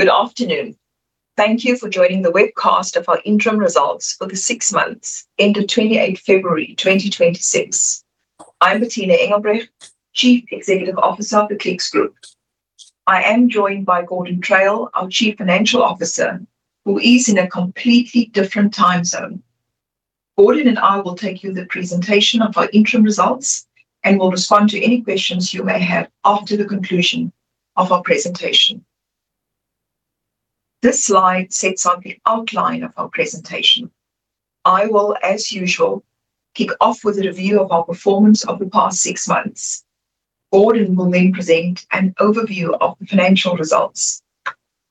Good afternoon. Thank you for joining the webcast of our interim results for the six months ended 28 February 2026. I'm Bertina Engelbrecht, Chief Executive Officer of the Clicks Group. I am joined by Gordon Traill, our Chief Financial Officer, who is in a completely different time zone. Gordon and I will take you through the presentation of our interim results, and we'll respond to any questions you may have after the conclusion of our presentation. This slide sets out the outline of our presentation. I will, as usual, kick off with a review of our performance of the past six months. Gordon will then present an overview of the financial results.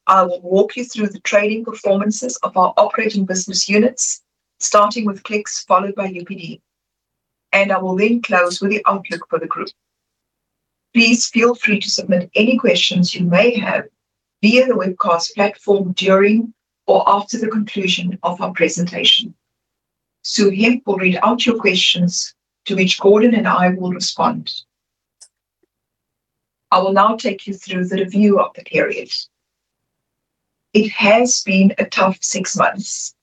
I will walk you through the trading performances of our operating business units, starting with Clicks, followed by UPD, and I will then close with the outlook for the group. Please feel free to submit any questions you may have via the webcast platform during or after the conclusion of our presentation. Sue Hemp will read out your questions, to which Gordon and I will respond. I will now take you through the review of the period. It has been a tough six months.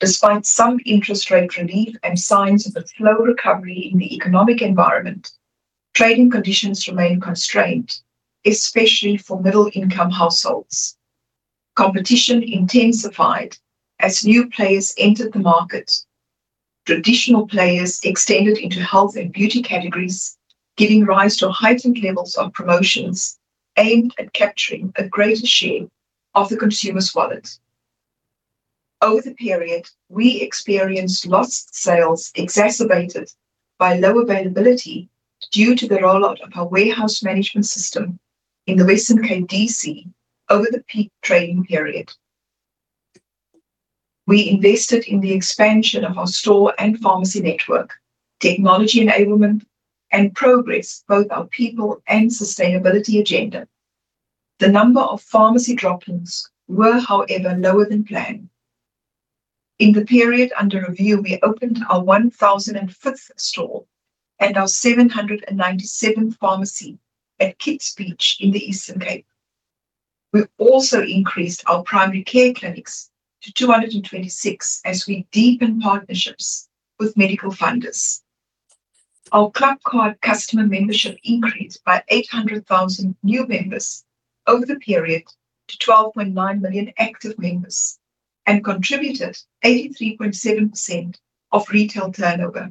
Despite some interest rate relief and signs of a slow recovery in the economic environment, trading conditions remain constrained, especially for middle income households. Competition intensified as new players entered the market. Traditional players extended into health and beauty categories, giving rise to heightened levels of promotions aimed at capturing a greater share of the consumer's wallet. Over the period, we experienced lost sales exacerbated by low availability due to the rollout of our warehouse management system in the Western Cape DC over the peak trading period. We invested in the expansion of our store and pharmacy network, technology enablement, and progressed both our people and sustainability agenda. The number of pharmacy drop-ins were, however, lower than planned. In the period under review, we opened our 1,005th store and our 797th pharmacy at Kite Beach in the Eastern Cape. We've also increased our primary care clinics to 226 as we deepen partnerships with medical funders. Our ClubCard customer membership increased by 800,000 new members over the period to 12.9 million active members and contributed 83.7% of retail turnover.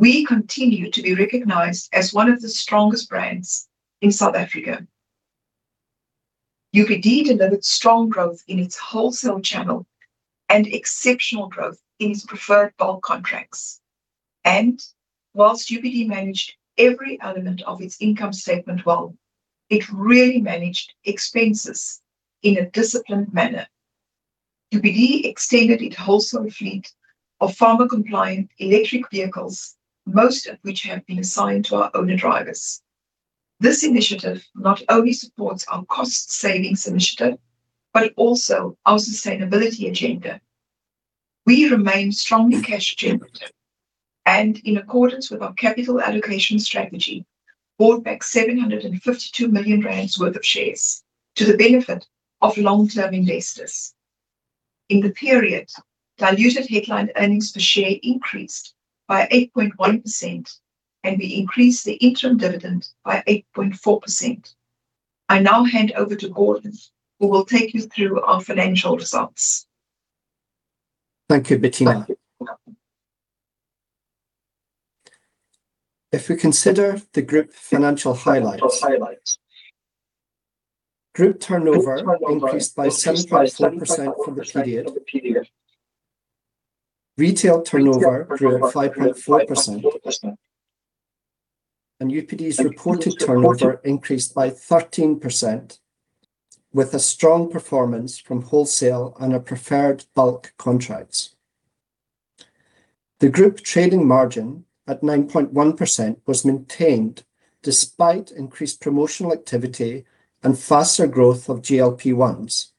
We continue to be recognized as one of the strongest brands in South Africa. UPD delivered strong growth in its wholesale channel and exceptional growth in its preferred bulk contracts. While UPD managed every element of its income statement well, it really managed expenses in a disciplined manner. UPD extended its wholesale fleet of pharma-compliant electric vehicles, most of which have been assigned to our owner-drivers. This initiative not only supports our cost savings initiative, but also our sustainability agenda. We remain strongly cash generative and, in accordance with our capital allocation strategy, bought back 752 million rand worth of shares to the benefit of long-term investors. In the period, diluted headline earnings per share increased by 8.1%, and we increased the interim dividend by 8.4%. I now hand over to Gordon, who will take you through our financial results. Thank you, Bertina. If we consider the group financial highlights, Group turnover increased by 7.4% over the period. Retail turnover grew at 5.4%, and UPD's reported turnover increased by 13%, with a strong performance from wholesale on our preferred bulk contracts. The Group trading margin at 9.1% was maintained despite increased promotional activity and faster growth of GLP-1s.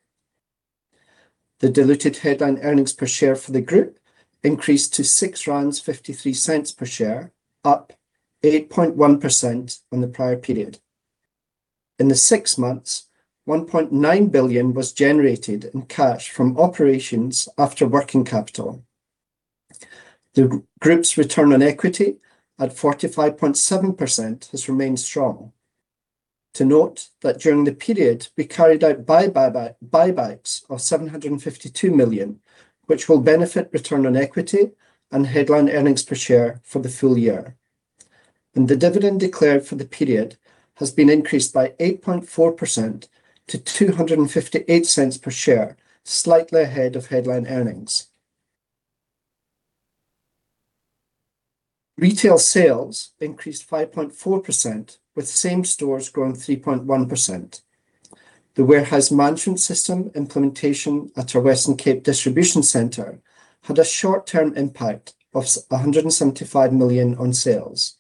The diluted headline earnings per share for the group increased to 6.53 per share, up 8.1% on the prior period. In the six months, 1.9 billion was generated in cash from operations after working capital. The group's return on equity at 45.7% has remained strong. To note that during the period, we carried out buybacks of 752 million, which will benefit return on equity and headline earnings per share for the full year. The dividend declared for the period has been increased by 8.4% to 2.58 per share, slightly ahead of headline earnings. Retail sales increased 5.4%, with same stores growing 3.1%. The warehouse management system implementation at our Western Cape distribution center had a short term impact of 175 million on sales.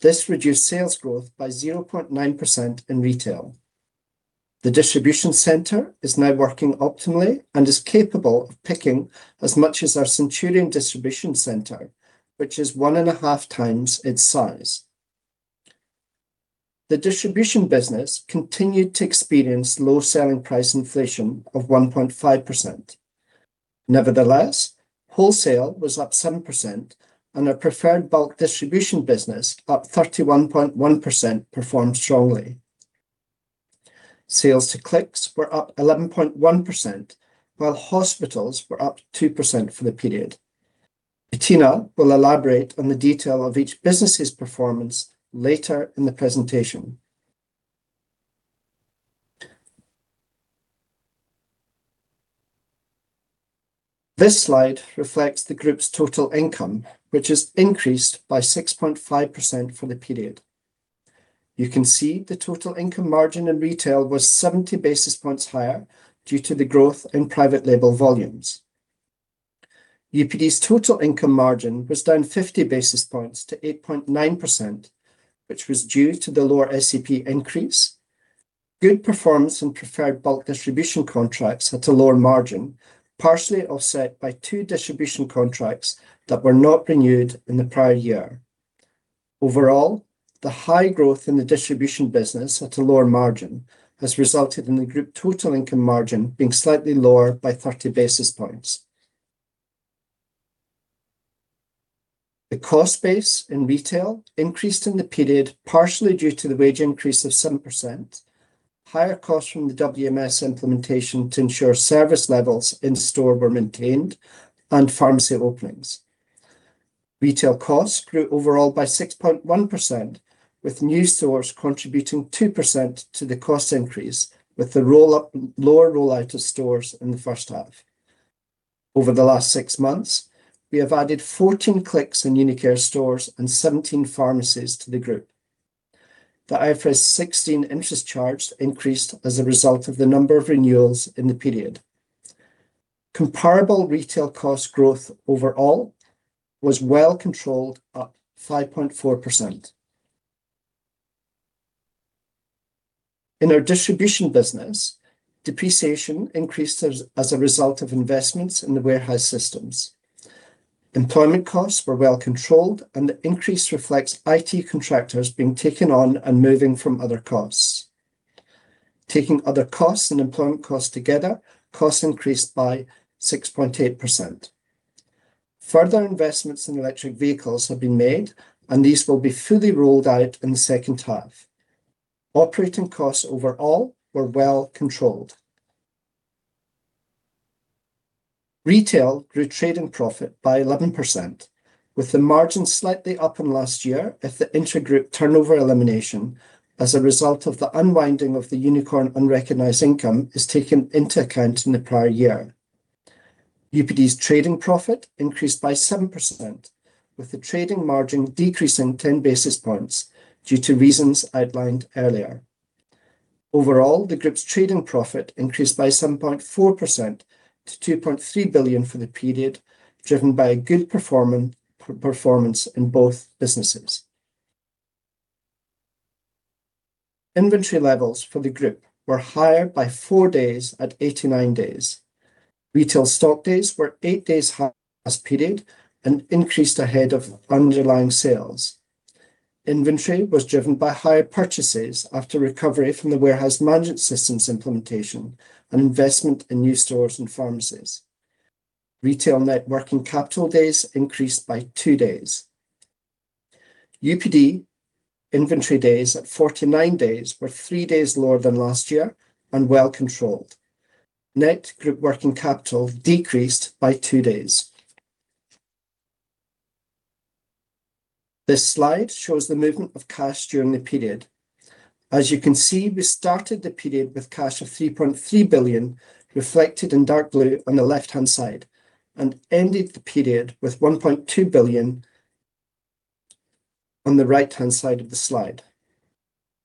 This reduced sales growth by 0.9% in retail. The distribution center is now working optimally and is capable of picking as much as our Centurion distribution center, which is 1.5 times its size. The distribution business continued to experience low selling price inflation of 1.5%. Nevertheless, wholesale was up 7%, and our preferred bulk distribution business, up 31.1%, performed strongly. Sales to Clicks were up 11.1%, while hospitals were up 2% for the period. Bertina will elaborate on the detail of each business's performance later in the presentation. This slide reflects the group's total income, which has increased by 6.5% for the period. You can see the total income margin in retail was 70 basis points higher due to the growth in private label volumes. UPD's total income margin was down 50 basis points to 8.9%, which was due to the lower SEP increase. Good performance in preferred bulk distribution contracts at a lower margin, partially offset by two distribution contracts that were not renewed in the prior year. Overall, the high growth in the distribution business at a lower margin has resulted in the group total income margin being slightly lower by 30 basis points. The cost base in retail increased in the period, partially due to the wage increase of 7%, higher costs from the WMS implementation to ensure service levels in store were maintained, and pharmacy openings. Retail costs grew overall by 6.1%, with new stores contributing 2% to the cost increase with the lower rollout of stores in the first half. Over the last six months, we have added 14 Clicks and UniCare stores and 17 pharmacies to the group. The IFRS 16 interest charge increased as a result of the number of renewals in the period. Comparable retail cost growth overall was well controlled, up 5.4%. In our distribution business, depreciation increased as a result of investments in the warehouse systems. Employment costs were well controlled, and the increase reflects IT contractors being taken on and moving from other costs. Taking other costs and employment costs together, costs increased by 6.8%. Further investments in electric vehicles have been made, and these will be fully rolled out in the second half. Operating costs overall were well controlled. Retail grew trading profit by 11%, with the margin slightly up on last year as the intragroup turnover elimination as a result of the unwinding of the UniCare unrecognized income is taken into account in the prior year. UPD's trading profit increased by 7%, with the trading margin decreasing ten basis points due to reasons outlined earlier. Overall, the group's trading profit increased by 7.4% to 2.3 billion for the period, driven by a good performance in both businesses. Inventory levels for the group were higher by four days at 89 days. Retail stock days were eight days higher at period end and increased ahead of underlying sales. Inventory was driven by higher purchases after recovery from the warehouse management systems implementation and investment in new stores and pharmacies. Retail net working capital days increased by two days. UPD inventory days at 49 days were three days lower than last year and well controlled. Net group working capital decreased by two days. This slide shows the movement of cash during the period. As you can see, we started the period with cash of 3.3 billion reflected in dark blue on the left-hand side and ended the period with 1.2 billion on the right-hand side of the slide.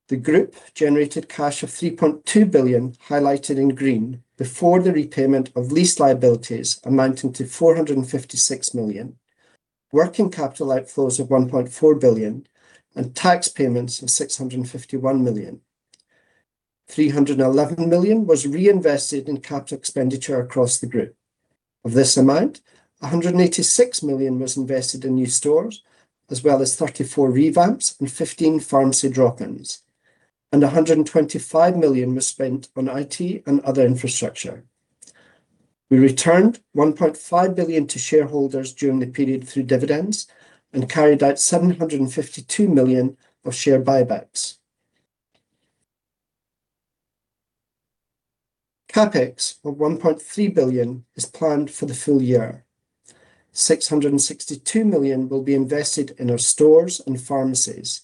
The group generated cash of 3.2 billion, highlighted in green, before the repayment of lease liabilities amounting to 456 million, working capital outflows of 1.4 billion and tax payments of 651 million. 311 million was reinvested in capital expenditure across the group. Of this amount, 186 million was invested in new stores, as well as 34 revamps and 15 pharmacy drop-ins, and 125 million was spent on IT and other infrastructure. We returned 1.5 billion to shareholders during the period through dividends and carried out 752 million of share buybacks. CapEx of 1.3 billion is planned for the full year. 662 million will be invested in our stores and pharmacies.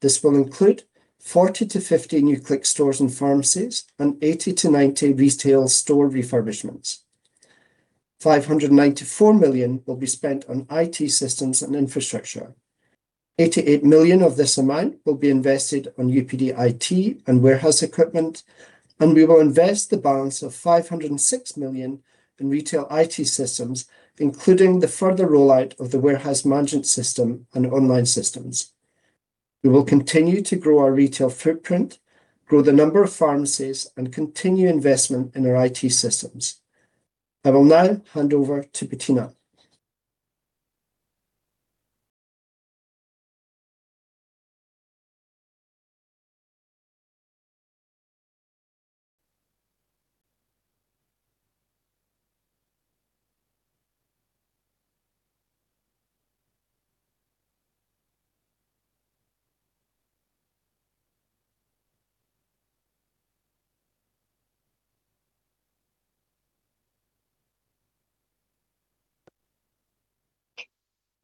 This will include 40-50 new Clicks stores and pharmacies and 80-90 retail store refurbishments. 594 million will be spent on IT systems and infrastructure. 88 million of this amount will be invested on UPD IT and warehouse equipment, and we will invest the balance of 506 million in retail IT systems, including the further rollout of the warehouse management system and online systems. We will continue to grow our retail footprint, grow the number of pharmacies, and continue investment in our IT systems. I will now hand over to Bertina.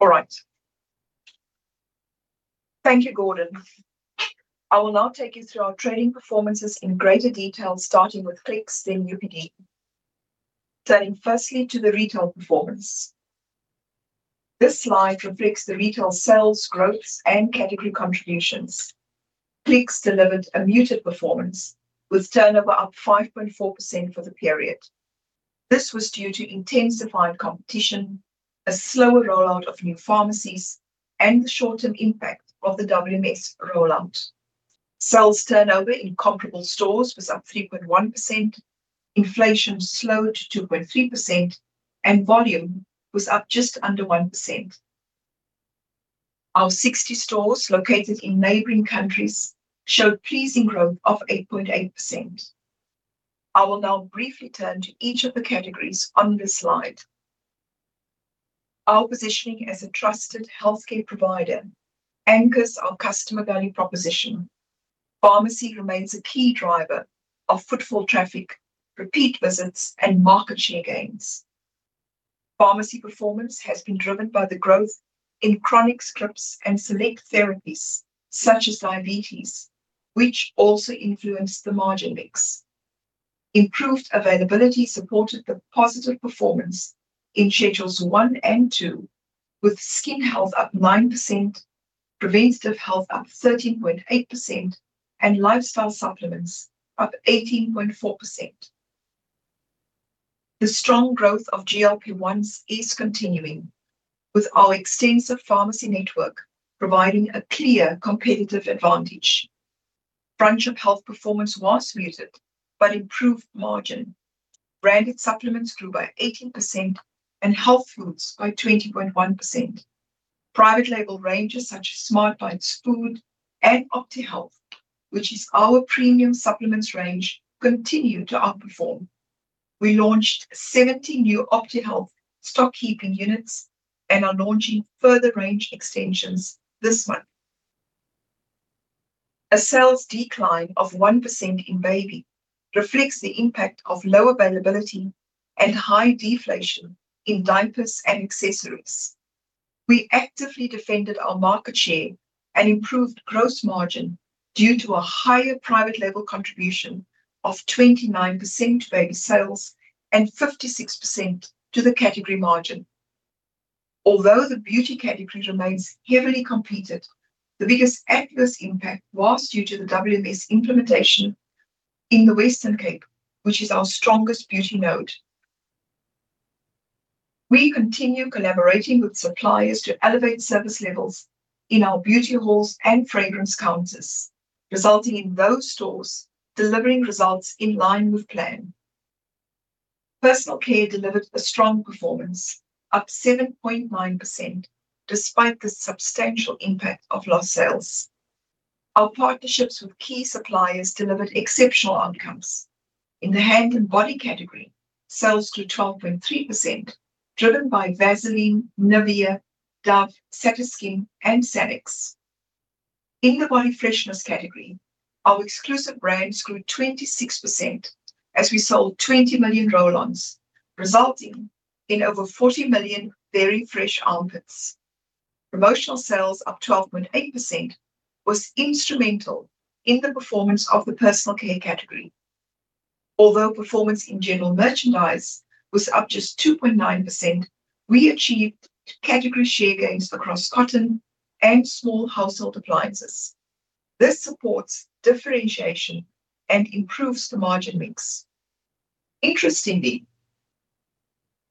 All right. Thank you, Gordon. I will now take you through our trading performances in greater detail, starting with Clicks, then UPD. Turning firstly to the retail performance. This slide reflects the retail sales growths and category contributions. Clicks delivered a muted performance with turnover up 5.4% for the period. This was due to intensified competition, a slower rollout of new pharmacies, and the short-term impact of the WMS rollout. Sales turnover in comparable stores was up 3.1%, inflation slowed to 2.3%, and volume was up just under 1%. Our 60 stores located in neighboring countries showed pleasing growth of 8.8%. I will now briefly turn to each of the categories on this slide. Our positioning as a trusted healthcare provider anchors our customer value proposition. Pharmacy remains a key driver of footfall traffic, repeat visits, and market share gains. Pharmacy performance has been driven by the growth in chronic scripts and select therapies such as diabetes, which also influence the margin mix. Improved availability supported the positive performance in Schedules 1 and 2, with skin health up 9%, preventative health up 13.8%, and lifestyle supplements up 18.4%. The strong growth of GLP-1s is continuing, with our extensive pharmacy network providing a clear competitive advantage. Front shop health performance was muted but improved margin. Branded supplements grew by 18% and health foods by 20.1%. Private label ranges such as Smartbite food and OptiHealth, which is our premium supplements range, continue to outperform. We launched 70 new OptiHealth stock keeping units and are launching further range extensions this month. A sales decline of 1% in baby reflects the impact of low availability and high deflation in diapers and accessories. We actively defended our market share and improved gross margin due to a higher private label contribution of 29% baby sales and 56% to the category margin. Although the beauty category remains heavily competitive, the biggest adverse impact was due to the WMS implementation in the Western Cape, which is our strongest beauty node. We continue collaborating with suppliers to elevate service levels in our beauty halls and fragrance counters, resulting in those stores delivering results in line with plan. Personal care delivered a strong performance up 7.9%, despite the substantial impact of lost sales. Our partnerships with key suppliers delivered exceptional outcomes. In the hand and body category, sales grew 12.3%, driven by Vaseline, Nivea, Dove, Cetaphil, and Sanex. In the body freshness category, our exclusive brands grew 26% as we sold 20 million roll-ons, resulting in over 40 million very fresh armpits. Promotional sales up 12.8% was instrumental in the performance of the personal care category. Although performance in general merchandise was up just 2.9%, we achieved category share gains across cotton and small household appliances. This supports differentiation and improves the margin mix. Interestingly,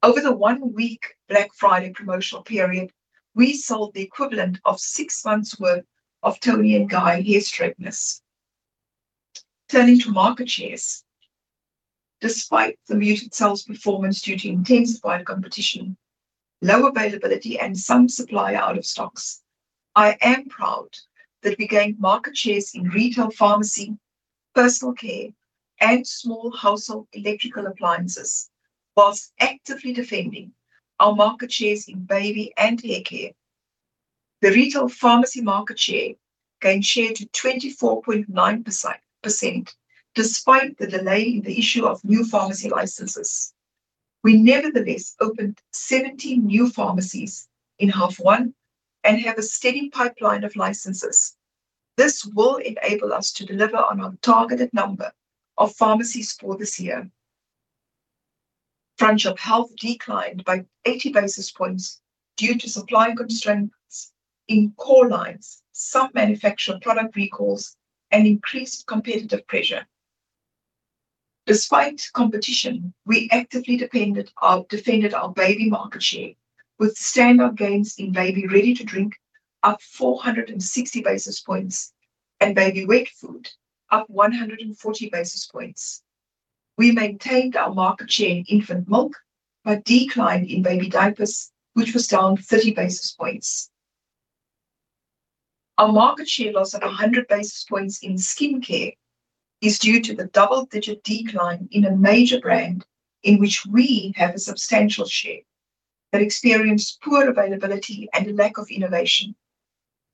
over the one-week Black Friday promotional period, we sold the equivalent of six months' worth of Toni & Guy hair straighteners. Turning to market shares, despite the muted sales performance due to intensified competition, low availability, and some supply out of stocks, I am proud that we gained market shares in retail pharmacy, personal care, and small household electrical appliances while actively defending our market shares in baby and hair care. The retail pharmacy market share gained share to 24.9% despite the delay in the issue of new pharmacy licenses. We nevertheless opened 17 new pharmacies in half one and have a steady pipeline of licenses. This will enable us to deliver on our targeted number of pharmacies for this year. Front shop health declined by 80 basis points due to supply constraints in core lines, some manufacturer product recalls, and increased competitive pressure. Despite competition, we actively defended our baby market share with standout gains in baby ready-to-drink up 460 basis points and baby wet food up 140 basis points. We maintained our market share in infant milk, but our market share declined in baby diapers, which was down 30 basis points. Our market share loss of 100 basis points in skincare is due to the double-digit decline in a major brand in which we have a substantial share, but experienced poor availability and a lack of innovation.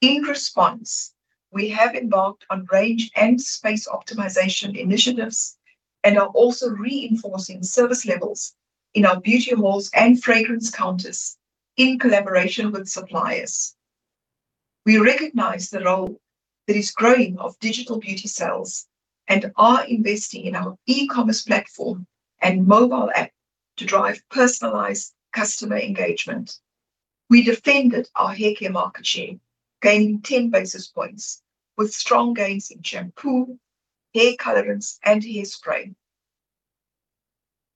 In response, we have embarked on range and space optimization initiatives and are also reinforcing service levels in our beauty halls and fragrance counters in collaboration with suppliers. We recognize the role that is growing of digital beauty sales and are investing in our e-commerce platform and mobile app to drive personalized customer engagement. We defended our haircare market share, gaining 10 basis points with strong gains in shampoo, hair colorants, and hairspray.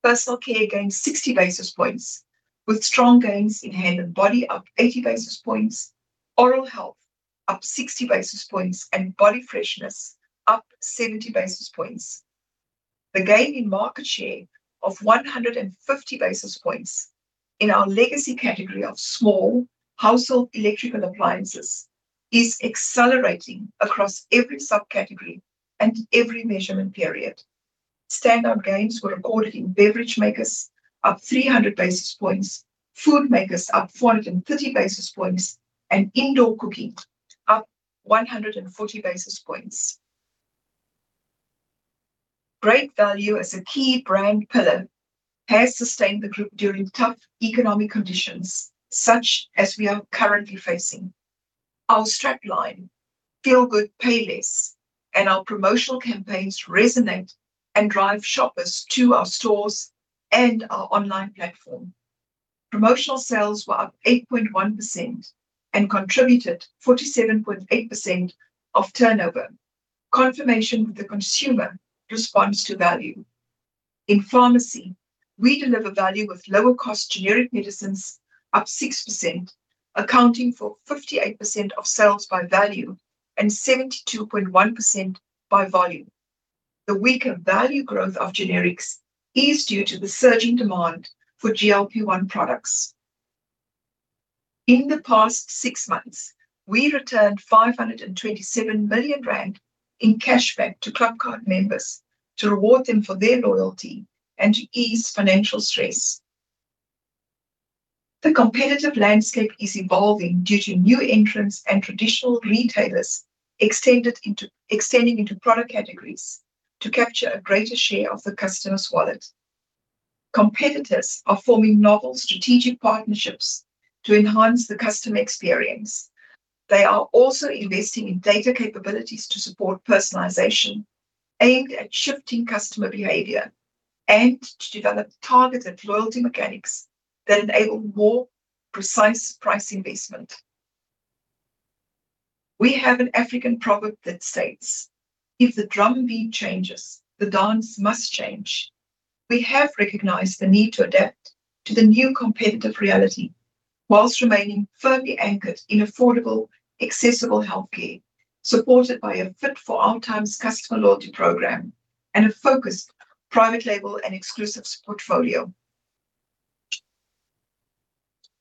Personal care gained 60 basis points with strong gains in hand and body up 80 basis points, oral health up 60 basis points, and body freshness up 70 basis points. The gain in market share of 150 basis points in our legacy category of small household electrical appliances is accelerating across every subcategory and every measurement period. Standout gains were recorded in beverage makers up 300 basis points, food makers up 430 basis points, and indoor cooking up 140 basis points. Great value as a key brand pillar has sustained the group during tough economic conditions such as we are currently facing. Our strap line "Feel good, pay less," and our promotional campaigns resonate and drive shoppers to our stores and our online platform. Promotional sales were up 8.1% and contributed 47.8% of turnover, confirmation that the consumer responds to value. In pharmacy, we deliver value with lower cost generic medicines up 6%, accounting for 58% of sales by value and 72.1% by volume. The weaker value growth of generics is due to the surging demand for GLP-1 products. In the past six months, we returned 527 million rand in cashback to ClubCard members to reward them for their loyalty and to ease financial stress. The competitive landscape is evolving due to new entrants and traditional retailers extending into product categories to capture a greater share of the customer's wallet. Competitors are forming novel strategic partnerships to enhance the customer experience. They are also investing in data capabilities to support personalization aimed at shifting customer behavior and to develop targeted loyalty mechanics that enable more precise pricing basement. We have an African proverb that states, "If the drum beat changes, the dance must change." We have recognized the need to adapt to the new competitive reality while remaining firmly anchored in affordable, accessible healthcare, supported by a fit for our times customer loyalty program and a focused private label and exclusives portfolio.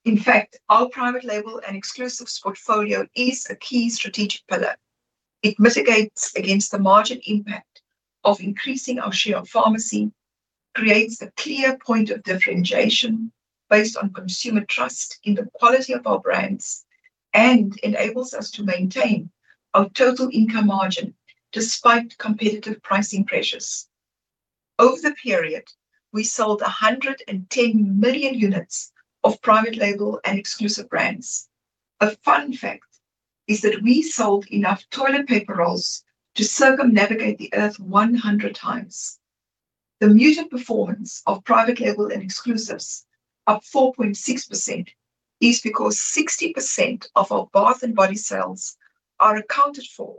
In fact, our private label and exclusives portfolio is a key strategic pillar. It mitigates against the margin impact of increasing our share of pharmacy, creates a clear point of differentiation based on consumer trust in the quality of our brands, and enables us to maintain our total income margin despite competitive pricing pressures. Over the period, we sold 110 million units of private label and exclusive brands. A fun fact is that we sold enough toilet paper rolls to circumnavigate the Earth 100x. The muted performance of private label and exclusives up 4.6% is because 60% of our bath and body sales are accounted for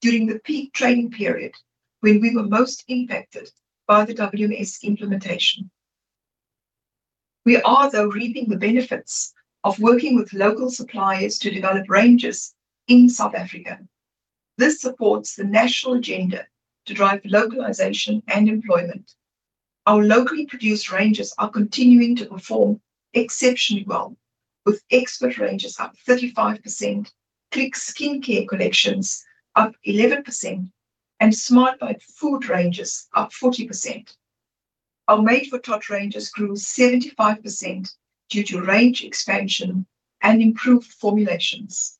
during the peak trading period when we were most impacted by the WMS implementation. We are, though, reaping the benefits of working with local suppliers to develop ranges in South Africa. This supports the national agenda to drive localization and employment. Our locally produced ranges are continuing to perform exceptionally well with Expert ranges up 35%, Clicks Skincare Collection up 11%, and Smartbite food ranges up 40%. Our Made 4 Tots ranges grew 75% due to range expansion and improved formulations.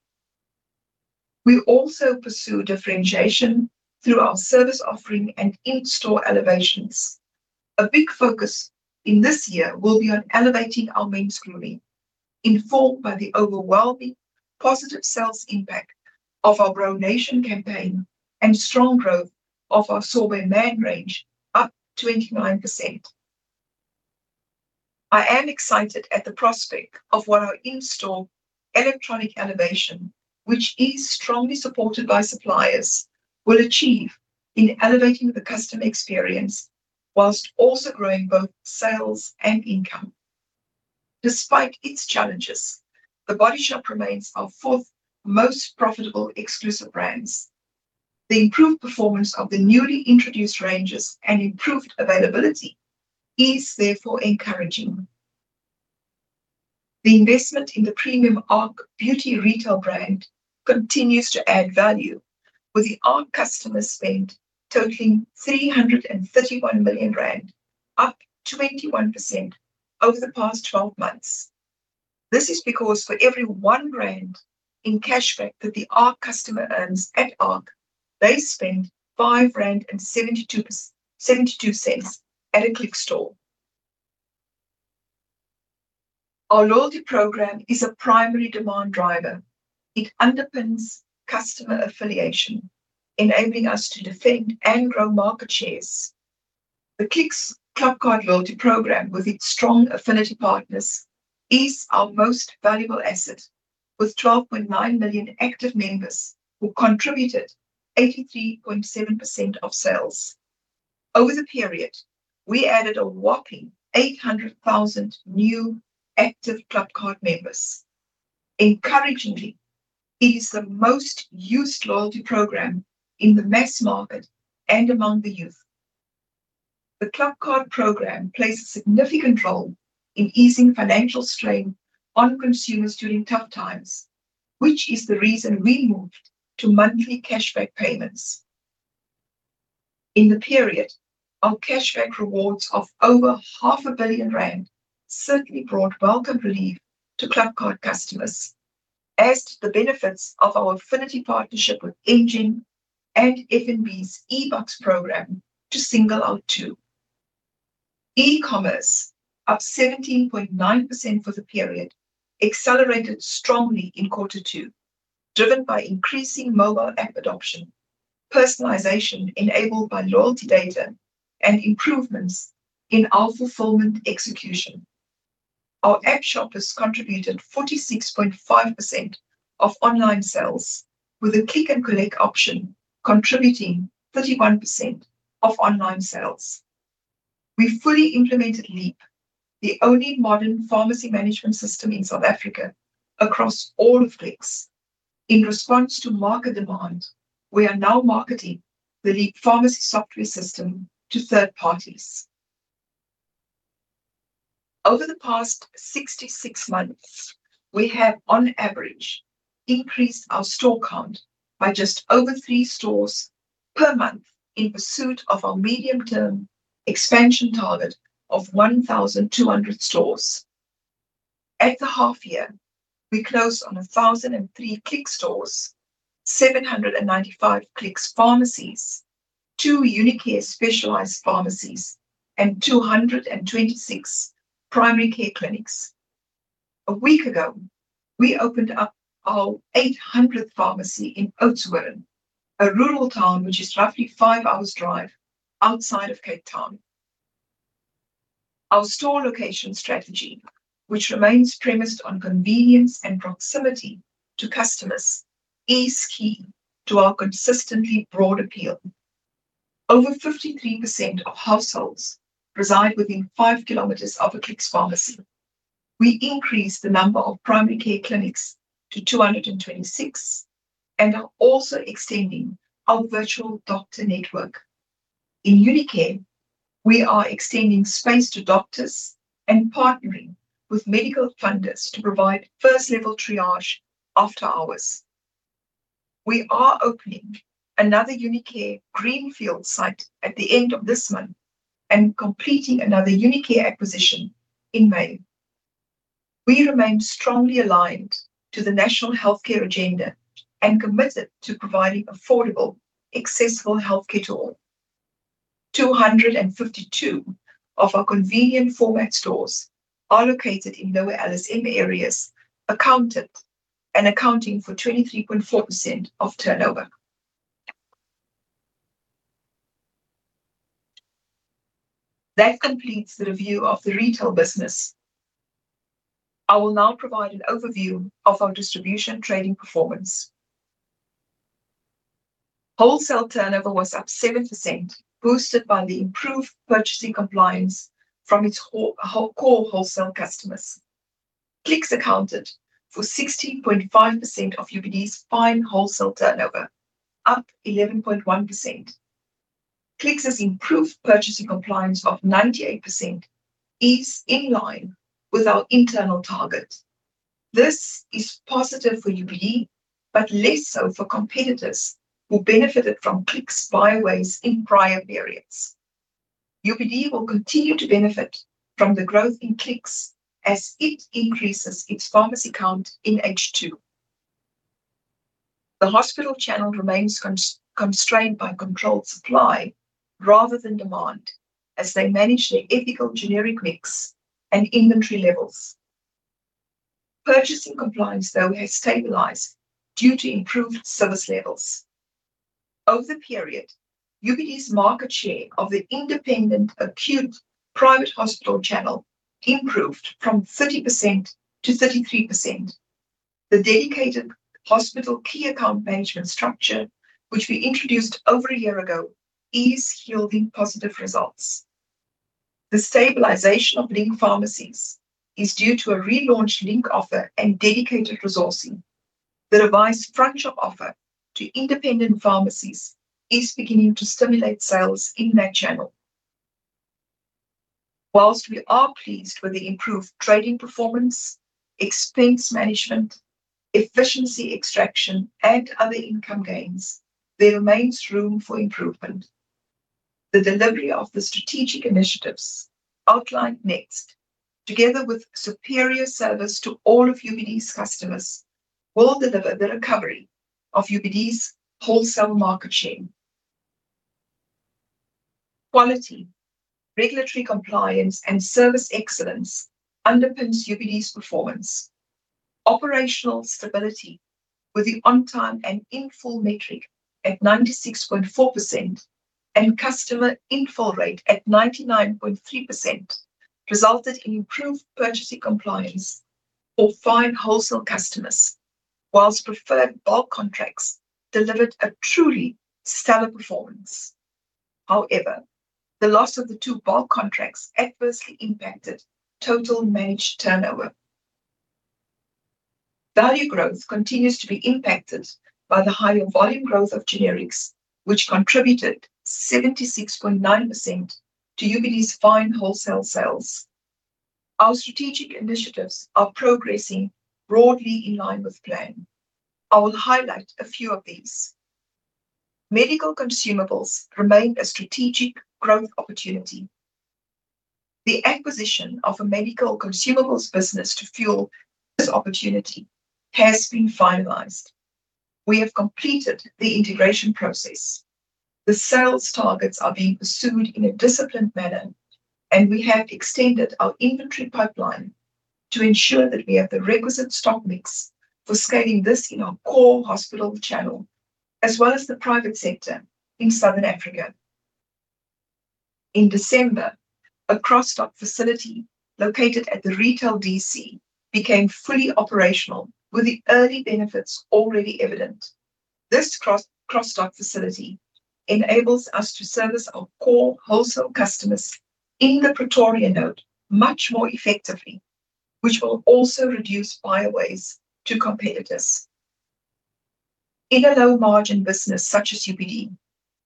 We also pursue differentiation through our service offering and in-store elevations. A big focus in this year will be on elevating our men's grooming, informed by the overwhelming positive sales impact of our Grow Nation campaign and strong growth of our Sorbet MAN range up 29%. I am excited at the prospect of what our in-store electronic elevation, which is strongly supported by suppliers, will achieve in elevating the customer experience while also growing both sales and income. Despite its challenges, the Body Shop remains our fourth most profitable exclusive brands. The improved performance of the newly introduced ranges and improved availability is therefore encouraging. The investment in the premium ARC Beauty retail brand continues to add value, with the ARC customer spend totaling 331 million rand, up 21% over the past 12 months. This is because for every 1 rand in cashback that the ARC customer earns at ARC, they spend 5.72 rand at a Clicks store. Our loyalty program is a primary demand driver. It underpins customer affiliation, enabling us to defend and grow market shares. The Clicks ClubCard loyalty program, with its strong affinity partners, is our most valuable asset, with 12.9 million active members who contributed 83.7% of sales. Over the period, we added a whopping 800,000 new active ClubCard members. Encouragingly, it is the most used loyalty program in the mass market and among the youth. The ClubCard program plays a significant role in easing financial strain on consumers during tough times, which is the reason we moved to monthly cashback payments. In the period, our cashback rewards of over 0.5 billion rand certainly brought welcome relief to ClubCard customers, as did the benefits of our affinity partnership with Engen and FNB's eBucks program, to single out two. E-commerce, up 17.9% for the period, accelerated strongly in quarter two, driven by increasing mobile app adoption, personalization enabled by loyalty data, and improvements in our fulfillment execution. Our app shoppers contributed 46.5% of online sales, with the Click and Collect option contributing 31% of online sales. We fully implemented Leap, the only modern pharmacy management system in South Africa, across all of Clicks. In response to market demand, we are now marketing the Leap pharmacy software system to third parties. Over the past 66 months, we have, on average, increased our store count by just over three stores per month in pursuit of our medium-term expansion target of 1,200 stores. At the half year, we closed on 1,003 Clicks stores, 795 Clicks pharmacies, two UniCare specialized pharmacies, and 226 Clicks clinics. A week ago, we opened up our 800th pharmacy in Oudtshoorn, a rural town which is roughly 5 hours' drive outside of Cape Town. Our store location strategy, which remains premised on convenience and proximity to customers, is key to our consistently broad appeal. Over 53% of households reside within 5 km of a Clicks Pharmacy. We increased the number of Primary Care Clinics to 226 and are also extending our virtual doctor network. In UniCare, we are extending space to doctors and partnering with medical funders to provide first-level triage after hours. We are opening another UniCare greenfield site at the end of this month and completing another UniCare acquisition in May. We remain strongly aligned to the national healthcare agenda and committed to providing affordable, accessible healthcare to all. 252 of our convenient format stores are located in lower LSM areas, accounting for 23.4% of turnover. That completes the review of the retail business. I will now provide an overview of our distribution trading performance. Wholesale turnover was up 7%, boosted by the improved purchasing compliance from its core wholesale customers. Clicks accounted for 16.5% of UPD's fine wholesale turnover, up 11.1%. Clicks' improved purchasing compliance of 98% is in line with our internal target. This is positive for UPD, but less so for competitors who benefited from Clicks' buying in prior periods. UPD will continue to benefit from the growth in Clicks as it increases its pharmacy count in H2. The hospital channel remains constrained by controlled supply rather than demand as they manage their ethical generic mix and inventory levels. Purchasing compliance, though, has stabilized due to improved service levels. Over the period, UPD's market share of the independent acute private hospital channel improved from 30% to 33%. The dedicated hospital key account management structure, which we introduced over a year ago, is yielding positive results. The stabilization of Link pharmacies is due to a relaunched Link offer and dedicated resourcing. The revised front shop offer to independent pharmacies is beginning to stimulate sales in that channel. While we are pleased with the improved trading performance, expense management, efficiency extraction, and other income gains, there remains room for improvement. The delivery of the strategic initiatives outlined next, together with superior service to all of UPD's customers, will deliver the recovery of UPD's wholesale market share. Quality, regulatory compliance, and service excellence underpins UPD's performance. Operational stability with the on-time and in-full metric at 96.4% and customer in-full rate at 99.3%, resulted in improved purchasing compliance for fine wholesale customers, while preferred bulk contracts delivered a truly stellar performance. However, the loss of the two bulk contracts adversely impacted total managed turnover. Value growth continues to be impacted by the higher volume growth of generics, which contributed 76.9% to UPD's fine wholesale sales. Our strategic initiatives are progressing broadly in line with plan. I will highlight a few of these. Medical consumables remain a strategic growth opportunity. The acquisition of a medical consumables business to fuel this opportunity has been finalized. We have completed the integration process. The sales targets are being pursued in a disciplined manner, and we have extended our inventory pipeline to ensure that we have the requisite stock mix for scaling this in our core hospital channel, as well as the private sector in Southern Africa. In December, a cross-dock facility located at the retail DC became fully operational with the early benefits already evident. This cross-dock facility enables us to service our core wholesale customers in the Pretoria node much more effectively, which will also reduce buys to competitors. In a low margin business such as UPD,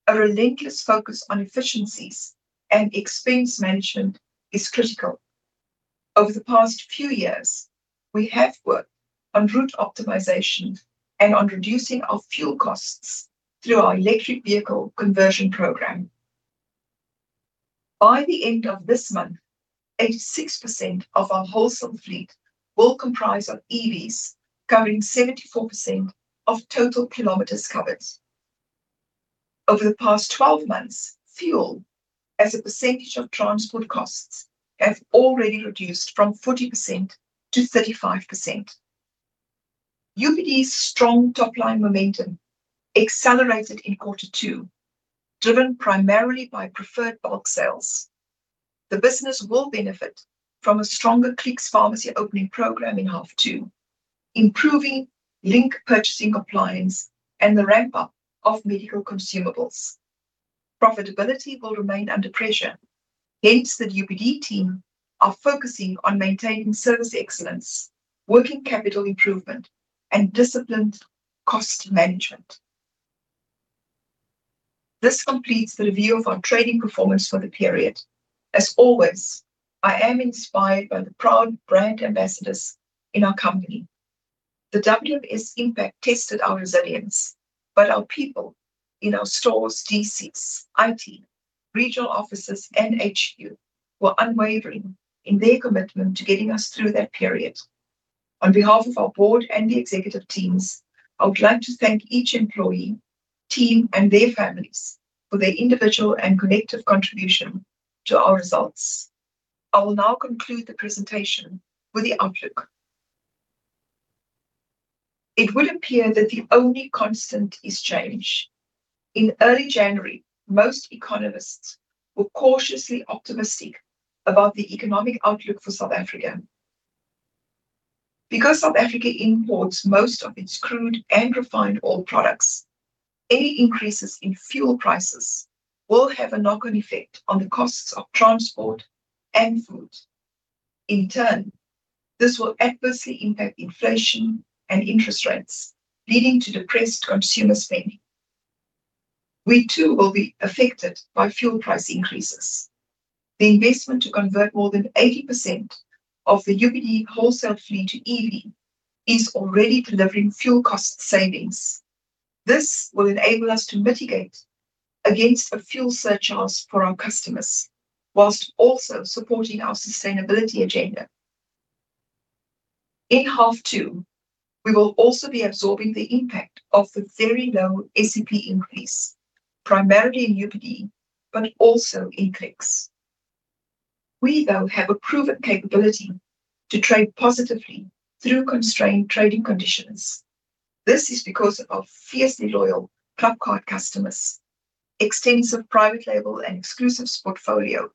a relentless focus on efficiencies and expense management is critical. Over the past few years, we have worked on route optimization and on reducing our fuel costs through our electric vehicle conversion program. By the end of this month, 86% of our wholesale fleet will comprise of EVs, covering 74% of total kilometers covered. Over the past 12 months, fuel as a percentage of transport costs have already reduced from 40% to 35%. UPD's strong top-line momentum accelerated in quarter two, driven primarily by preferred bulk sales. The business will benefit from a stronger Clicks Pharmacy opening program in half two, improving Link purchasing compliance, and the ramp-up of medical consumables. Profitability will remain under pressure. Hence, the UPD team are focusing on maintaining service excellence, working capital improvement, and disciplined cost management. This completes the review of our trading performance for the period. As always, I am inspired by the proud brand ambassadors in our company. The WMS impact tested our resilience, but our people in our stores, DCs, IT, regional offices, and HU were unwavering in their commitment to getting us through that period. On behalf of our board and the executive teams, I would like to thank each employee, team, and their families for their individual and collective contribution to our results. I will now conclude the presentation with the outlook. It would appear that the only constant is change. In early January, most economists were cautiously optimistic about the economic outlook for South Africa. Because South Africa imports most of its crude and refined oil products, any increases in fuel prices will have a knock-on effect on the costs of transport and food. In turn, this will adversely impact inflation and interest rates, leading to depressed consumer spending. We too will be affected by fuel price increases. The investment to convert more than 80% of the UPD wholesale fleet to EV is already delivering fuel cost savings. This will enable us to mitigate against a fuel surcharge for our customers while also supporting our sustainability agenda. In H2, we will also be absorbing the impact of the very low SEP increase, primarily in UPD, but also in Clicks. We, though, have a proven capability to trade positively through constrained trading conditions. This is because of our fiercely loyal ClubCard customers, extensive private label and exclusives portfolio,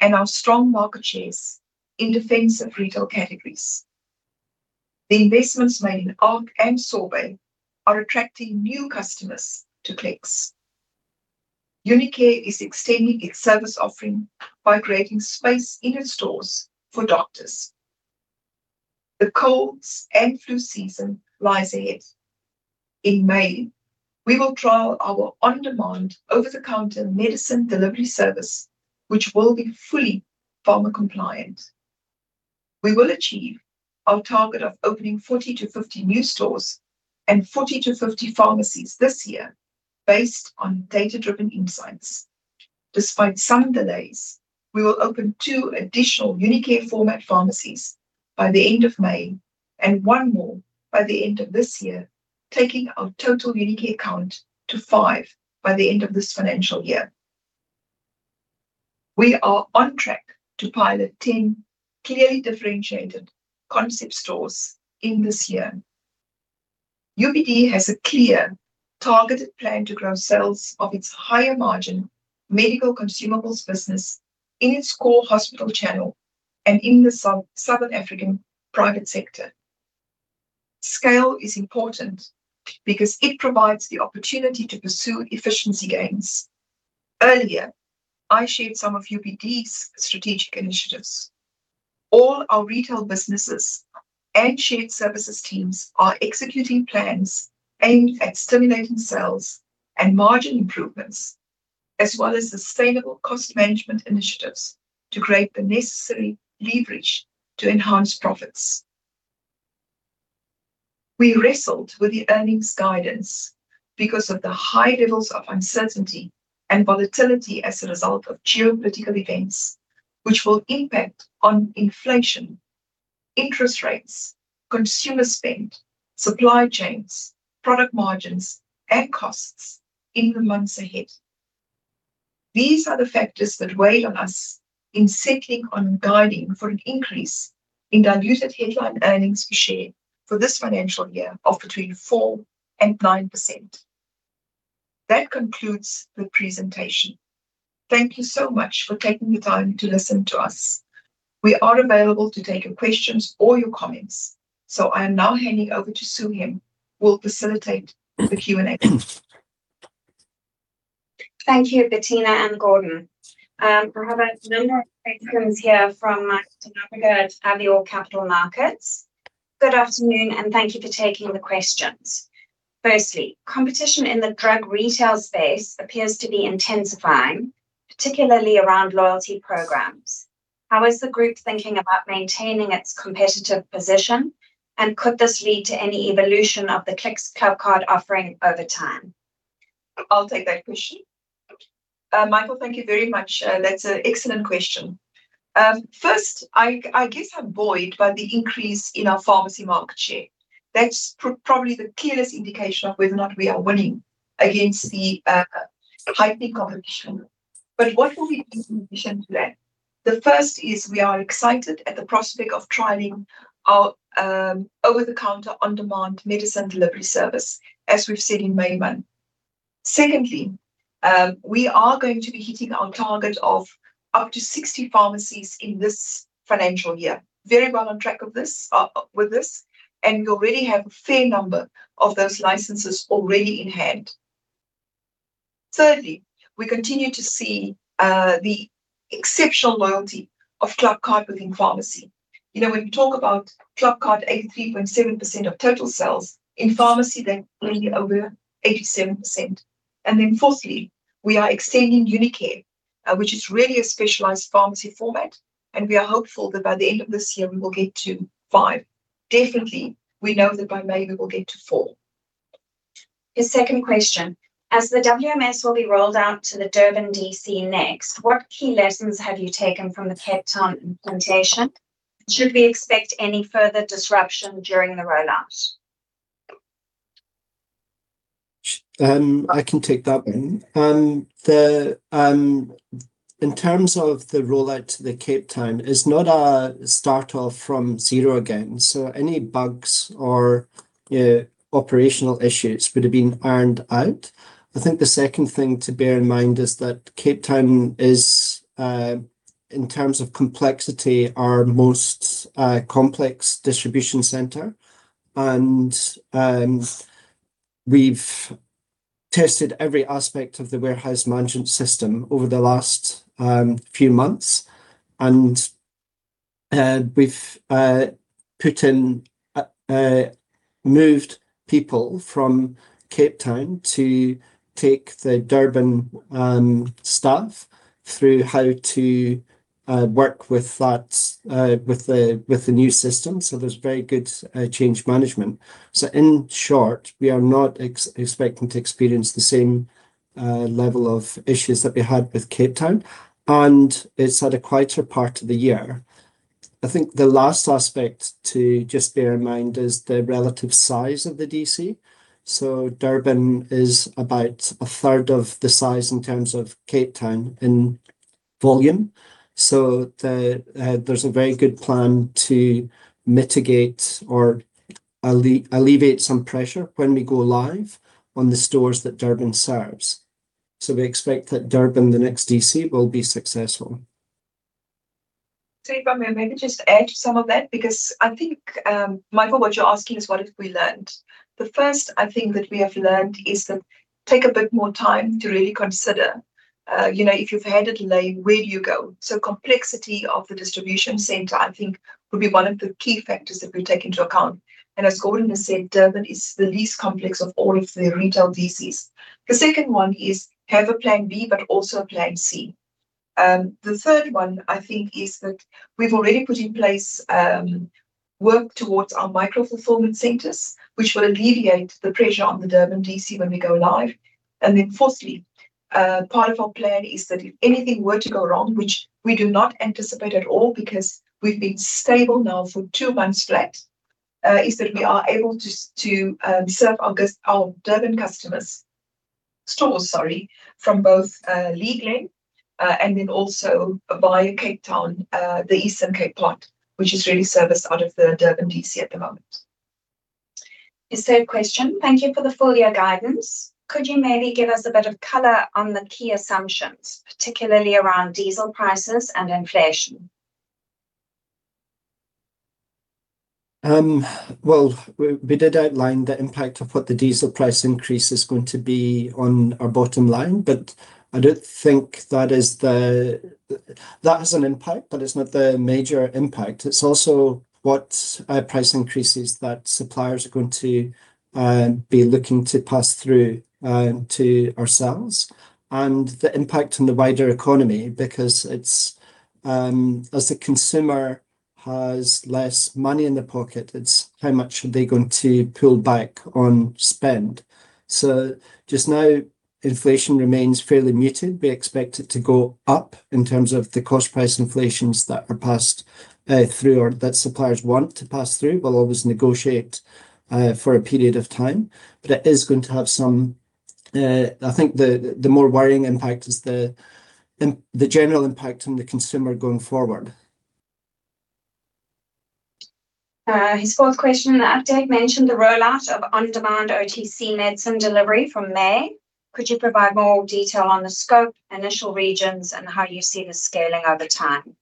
and our strong market shares in defensive retail categories. The investments made in ARC and Sorbet are attracting new customers to Clicks. UniCare is extending its service offering by creating space in its stores for doctors. The colds and flu season lies ahead. In May, we will trial our on-demand, over-the-counter medicine delivery service, which will be fully pharma-compliant. We will achieve our target of opening 40-50 new stores and 40-50 pharmacies this year based on data-driven insights. Despite some delays, we will open two additional UniCare format pharmacies by the end of May and one more by the end of this year, taking our total UniCare count to five by the end of this financial year. We are on track to pilot 10 clearly differentiated concept stores in this year. UPD has a clear, targeted plan to grow sales of its higher margin medical consumables business in its core hospital channel and in the Southern African private sector. Scale is important because it provides the opportunity to pursue efficiency gains. Earlier, I shared some of UPD's strategic initiatives. All our retail businesses and shared services teams are executing plans aimed at stimulating sales and margin improvements, as well as sustainable cost management initiatives to create the necessary leverage to enhance profits. We wrestled with the earnings guidance because of the high levels of uncertainty and volatility as a result of geopolitical events, which will impact on inflation, interest rates, consumer spend, supply chains, product margins, and costs in the months ahead. These are the factors that weigh on us in settling on guiding for an increase in diluted headline earnings per share for this financial year of between 4% and 9%. That concludes the presentation. Thank you so much for taking the time to listen to us. We are available to take your questions or your comments. I am now handing over to Sue who will facilitate the Q&A. Thank you, Bertina and Gordon. We have a number of questions here from Michael de Nobrega at Avior Capital Markets. Good afternoon, and thank you for taking the questions. Firstly, competition in the drug retail space appears to be intensifying, particularly around loyalty programs. How is the group thinking about maintaining its competitive position, and could this lead to any evolution of the Clicks ClubCard offering over time? I'll take that question. Michael, thank you very much. That's an excellent question. First, I guess I'm buoyed by the increase in our pharmacy market share. That's probably the clearest indication of whether or not we are winning against the heightened competition. What will we do in addition to that? The first is we are excited at the prospect of trialing our over-the-counter on-demand medicine delivery service, as we've said, in May month. Secondly, we are going to be hitting our target of up to 60 pharmacies in this financial year. Very well on track with this, and we already have a fair number of those licenses already in hand. Thirdly, we continue to see the exceptional loyalty of ClubCard within pharmacy. When you talk about ClubCard, 83.7% of total sales, in pharmacy, they're already over 87%. Fourthly, we are extending UniCare, which is really a specialized pharmacy format, and we are hopeful that by the end of this year, we will get to five. Definitely, we know that by May, we will get to four. The second question, as the WMS will be rolled out to the Durban DC next, what key lessons have you taken from the Cape Town implementation? Should we expect any further disruption during the rollout? I can take that one. In terms of the rollout to Cape Town, it's not a start off from zero again. Any bugs or operational issues would have been ironed out. I think the second thing to bear in mind is that Cape Town is, in terms of complexity, our most complex distribution center, and we've tested every aspect of the warehouse management system over the last few months. We've moved people from Cape Town to take the Durban staff through how to work with the new system, so there's very good change management. In short, we are not expecting to experience the same level of issues that we had with Cape Town, and it's at a quieter part of the year. I think the last aspect to just bear in mind is the relative size of the DC. Durban is about a 1/3 of the size in terms of Cape Town in volume. There's a very good plan to mitigate or alleviate some pressure when we go live on the stores that Durban serves. We expect that Durban, the next DC, will be successful. If I may maybe just add to some of that, because I think, Michael, what you're asking is what have we learned? The first I think that we have learned is that take a bit more time to really consider, if you've had a delay, where do you go? Complexity of the distribution center would be one of the key factors that we take into account. As Gordon has said, Durban is the least complex of all of the retail DCs. The second one is have a plan B, but also a plan C. The third one is that we've already put in place work towards our micro-fulfillment centers, which will alleviate the pressure on the Durban DC when we go live. Fourthly, part of our plan is that if anything were to go wrong, which we do not anticipate at all because we've been stable now for two months flat, is that we are able to serve our Durban customers, stores, sorry, from both Linbro Park, and then also via Cape Town, the Eastern Cape part, which is really serviced out of the Durban DC at the moment. His third question, "Thank you for the full year guidance. Could you maybe give us a bit of color on the key assumptions, particularly around diesel prices and inflation?" Well, we did outline the impact of what the diesel price increase is going to be on our bottom line, but I don't think that has an impact, but it's not the major impact. It's also what price increases that suppliers are going to be looking to pass through to ourselves and the impact on the wider economy, because it's as the consumer has less money in their pocket, it's how much are they going to pull back on spend. Just now, inflation remains fairly muted. We expect it to go up in terms of the cost price inflations that are passed through or that suppliers want to pass through. We'll always negotiate for a period of time, but it is going to have. I think the more worrying impact is the general impact on the consumer going forward. His fourth question, "The update mentioned the rollout of on-demand OTC medicine delivery from May. Could you provide more detail on the scope, initial regions, and how you see this scaling over time?"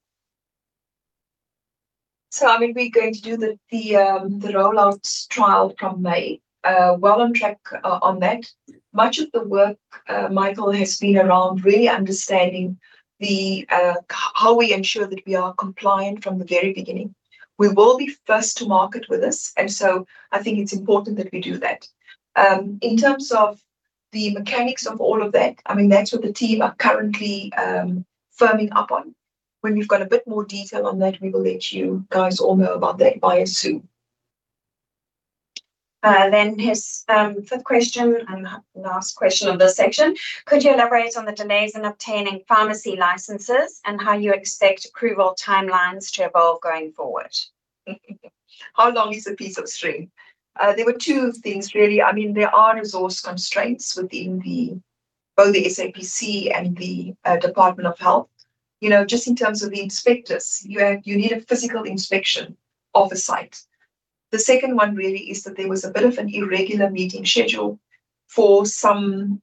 I mean, we're going to do the rollout trial from May. Well on track on that. Much of the work, Michael, has been around really understanding how we ensure that we are compliant from the very beginning. We will be first to market with this, and so I think it's important that we do that. In terms of the mechanics of all of that, I mean, that's what the team are currently firming up on. When we've got a bit more detail on that, we will let you guys all know about that via Zoom. His fifth question and last question of this section. "Could you elaborate on the delays in obtaining pharmacy licenses and how you expect approval timelines to evolve going forward?" How long is a piece of string? There were two things, really. There are resource constraints within both the SAPC and the Department of Health. Just in terms of the inspectors, you need a physical inspection of a site. The second one really is that there was a bit of an irregular meeting schedule for some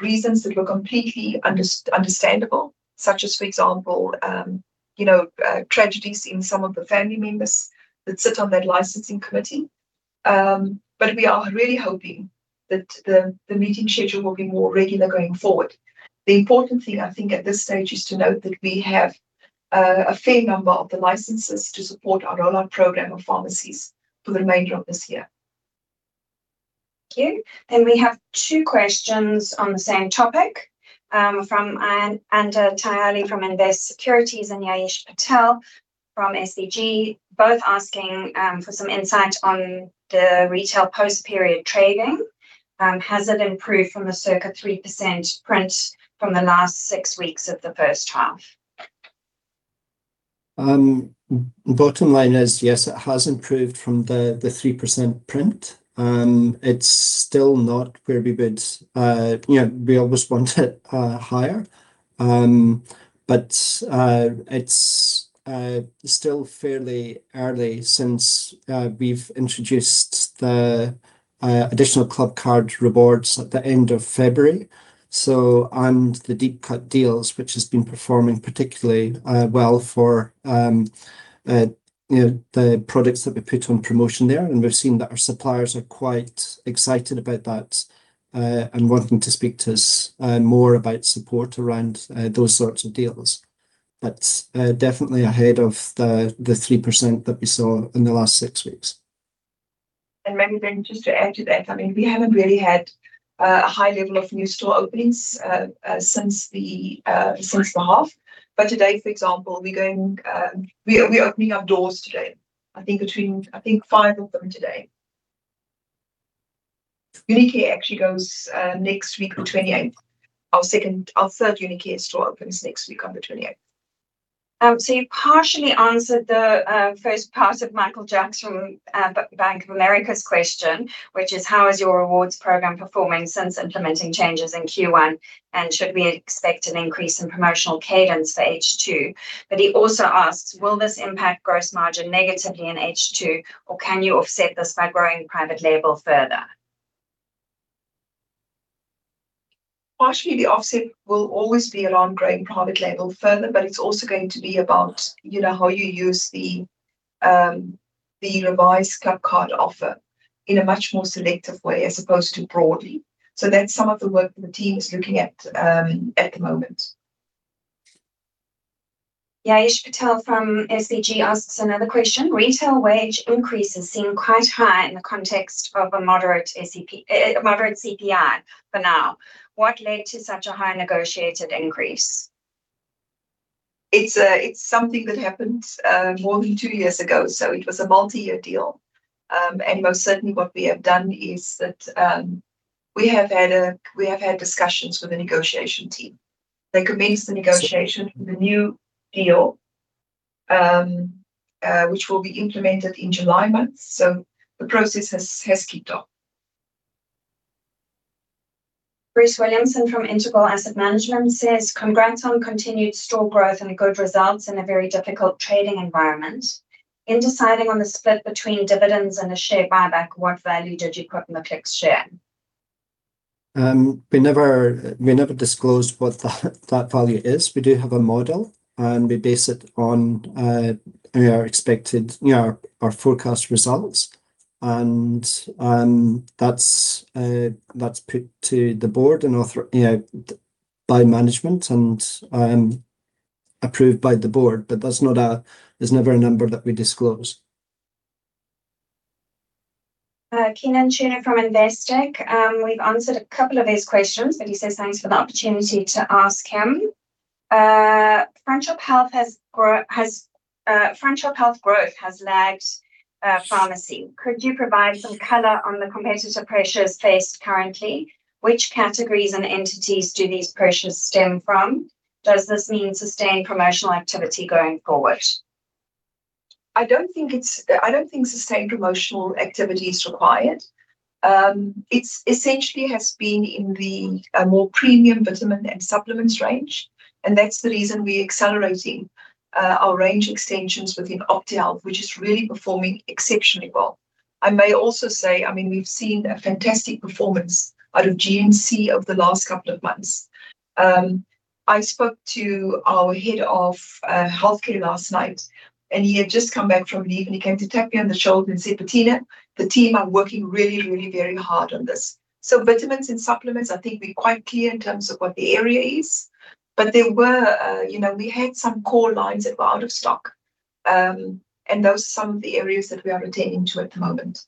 reasons that were completely understandable, such as, for example, tragedies in some of the family members that sit on that licensing committee. We are really hoping that the meeting schedule will be more regular going forward. The important thing, I think at this stage, is to note that we have a fair number of the licenses to support our rollout program of pharmacies for the remainder of this year. Thank you. We have two questions on the same topic, from Andisa Tyali from Investec Securities and Ya'Eesh Patel from SBG, both asking for some insight on the retail post-period trading. Has it improved from the circa 3% print from the last six weeks of the first half? Bottom line is, yes, it has improved from the 3% print. It's still not where we would. We always want it higher. It's still fairly early since we've introduced the additional ClubCard rewards at the end of February and the deep cut deals, which has been performing particularly well for the products that we put on promotion there, and we've seen that our suppliers are quite excited about that and wanting to speak to us more about support around those sorts of deals. Definitely ahead of the 3% that we saw in the last six weeks. Maybe then just to add to that, I mean, we haven't really had a high level of new store openings since the half. Today, for example, we're opening up doors today, I think five of them today. UniCare actually goes next week on the 28th. Our third UniCare store opens next week on the 28th. You've partially answered the first part of Michael Jacks from Bank of America's question, which is, how is your rewards program performing since implementing changes in Q1, and should we expect an increase in promotional cadence for H2? He also asks, will this impact gross margin negatively in H2, or can you offset this by growing private label further? Partially, the offset will always be around growing private label further, but it's also going to be about how you use the revised ClubCard offer in a much more selective way as opposed to broadly. That's some of the work the team is looking at the moment. Ya'Eesh Patel from SBG asks another question. Retail wage increases seem quite high in the context of a moderate CPI for now. What led to such a high negotiated increase? It's something that happened more than two years ago, so it was a multi-year deal. Most certainly what we have done is that we have had discussions with the negotiation team. They commenced the negotiation for the new deal, which will be implemented in July month. The process has kept up. Bruce Williamson from Integral Asset Management says, "Congrats on continued store growth and good results in a very difficult trading environment. In deciding on the split between dividends and a share buyback, what value did you put on the Clicks share?" We never disclose what that value is. We do have a model, and we base it on our forecast results, and that's put to the board by management and approved by the board. There's never a number that we disclose. Kenan Tuna from Investec. We've answered a couple of his questions, but he says thanks for the opportunity to ask them. Front shop health growth has lagged pharmacy. Could you provide some color on the competitor pressures faced currently? Which categories and entities do these pressures stem from? Does this mean sustained promotional activity going forward? I don't think sustained promotional activity is required. It essentially has been in the more premium vitamin and supplements range, and that's the reason we're accelerating our range extensions within OptiHealth, which is really performing exceptionally well. I may also say, we've seen a fantastic performance out of GNC over the last couple of months. I spoke to our head of healthcare last night, and he had just come back from leave, and he came to tap me on the shoulder and say, "Bertina, the team are working really very hard on this." Vitamins and supplements, I think we're quite clear in terms of what the area is. We had some core lines that were out of stock, and those are some of the areas that we are attending to at the moment.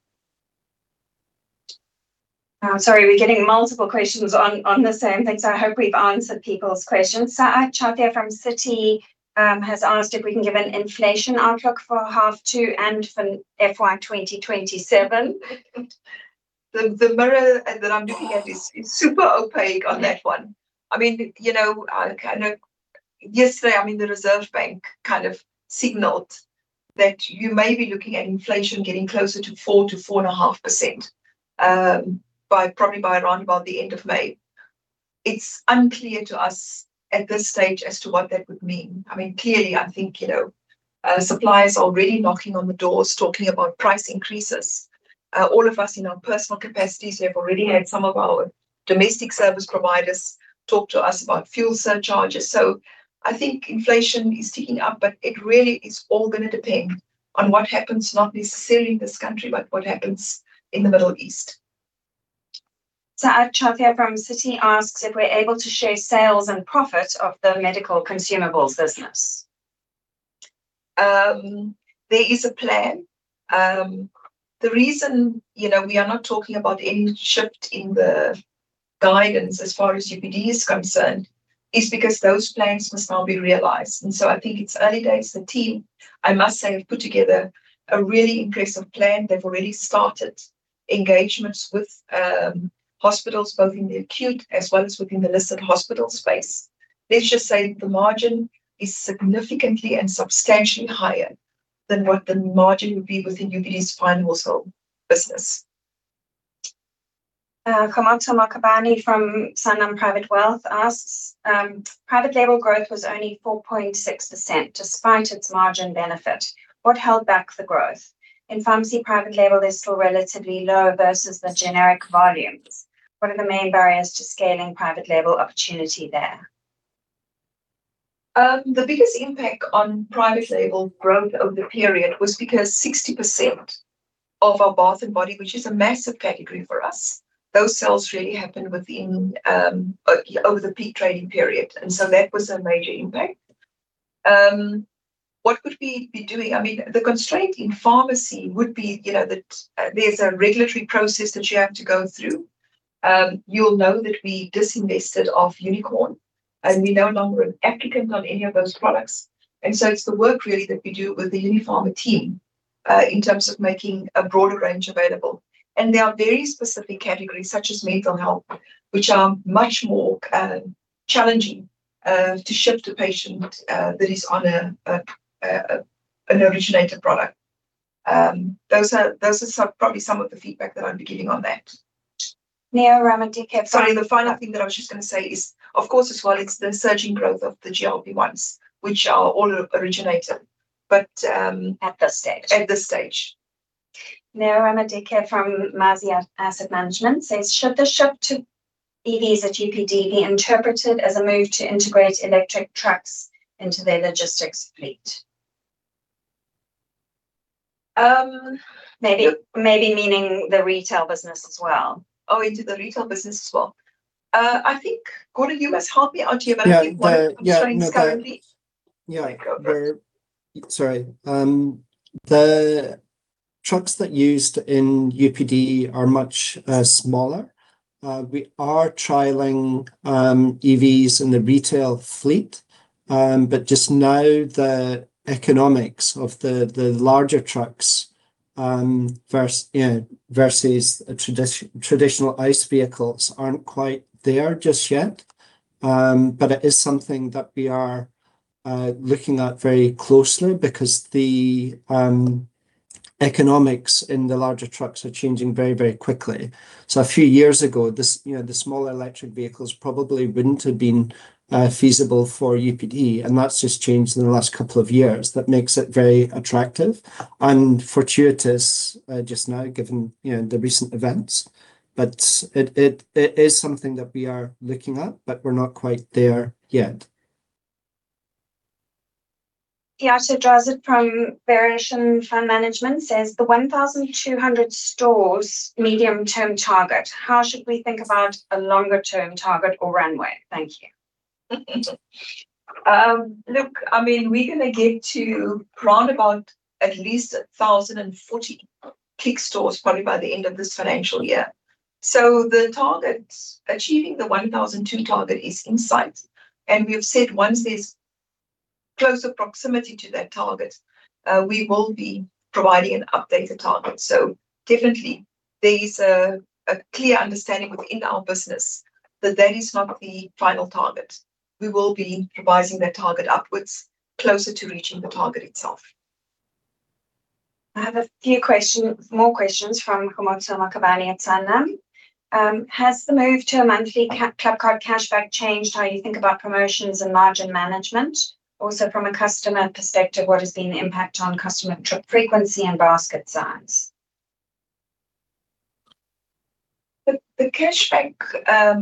Sorry, we're getting multiple questions on the same things. I hope we've answered people's questions. Sa'ad Chothia from Citi has asked if we can give an inflation outlook for half two and for FY 2027. The mirror that I'm looking at is super opaque on that one. Yesterday, the Reserve Bank kind of signaled that you may be looking at inflation getting closer to 4%-4.5%, probably by around about the end of May. It's unclear to us at this stage as to what that would mean. Clearly, I think suppliers are already knocking on the doors talking about price increases. All of us in our personal capacities have already had some of our domestic service providers talk to us about fuel surcharges. I think inflation is ticking up, but it really is all going to depend on what happens not necessarily in this country, but what happens in the Middle East. Sa'ad Chothia from Citi asks if we're able to share sales and profit of the medical consumables business. There is a plan. The reason we are not talking about any shift in the guidance as far as UPD is concerned is because those plans must now be realized. I think it's early days. The team, I must say, have put together a really impressive plan. They've already started engagements with hospitals, both in the acute as well as within the listed hospital space. Let's just say the margin is significantly and substantially higher than what the margin would be within UPD's final wholesale business. Kgomotso Mokabane from Sanlam Private Wealth asks, private label growth was only 4.6%, despite its margin benefit. What held back the growth? In pharmacy, private label is still relatively low versus the generic volumes. What are the main barriers to scaling private label opportunity there? The biggest impact on private label growth over the period was because 60% of our bath and body, which is a massive category for us, those sales really happen over the peak trading period. That was a major impact. What could we be doing? The constraint in pharmacy would be that there's a regulatory process that you have to go through. You'll know that we disinvested off UniCare, and we're no longer an applicant on any of those products. It's the work really that we do with the Unipharma team in terms of making a broader range available. There are very specific categories, such as mental health, which are much more challenging to shift a patient that is on an originator product. Those are probably some of the feedback that I'm getting on that. Neo Ramodike from Sorry, the final thing that I was just going to say is, of course, as well, it's the surging growth of the GLP-1s, which are all originator, but... At this stage. at this stage. Neo Ramodike from Mazi Asset Management says, "Should the shift to EVs at UPD be interpreted as a move to integrate electric trucks into their logistics fleet?" Maybe meaning the retail business as well. Oh, into the retail business as well. I think, Gordon, you must help me on GMT. Yeah one Yeah. Sorry. The trucks that are used in UPD are much smaller. We are trialing EVs in the retail fleet. Just now the economics of the larger trucks versus traditional ICE vehicles aren't quite there just yet. It is something that we are looking at very closely because the economics in the larger trucks are changing very quickly. A few years ago, the smaller electric vehicles probably wouldn't have been feasible for UPD, and that's just changed in the last couple of years. That makes it very attractive and fortuitous just now given the recent events. It is something that we are looking at, but we're not quite there yet. Pieter Drost from Berenberg Fund Management says, "The 1,200 stores' medium-term target, how should we think about a longer-term target or runway? Thank you." Look, we're going to get to round about at least 1,040 Clicks stores probably by the end of this financial year. Achieving the 1,002 target is in sight. We have said once there's closer proximity to that target, we will be providing an updated target. Definitely there is a clear understanding within our business that that is not the final target. We will be revising that target upwards closer to reaching the target itself. I have a few more questions from Kgomotso Mokabane at Sanlam. "Has the move to a monthly ClubCard cashback changed how you think about promotions and margin management? Also, from a customer perspective, what has been the impact on customer trip frequency and basket size?" The cashback